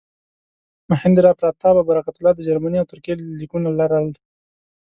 مهیندراپراتاپ او برکت الله د جرمني او ترکیې لیکونه لرل.